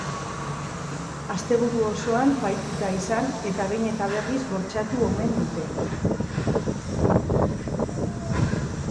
Asteburu osoan bahituta izan eta behin eta berriz bortxatu omen dute.